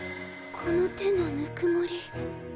この手の温もり！